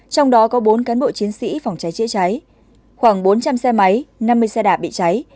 trong đó có bốn cán bộ chiến sĩ phòng cháy chữa cháy khoảng bốn trăm linh xe máy năm mươi xe đạp bị cháy